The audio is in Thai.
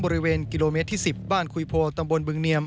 บริเวณกิโลเมตรที่๑๐บ้านคุยโพตำบลบึงเนียม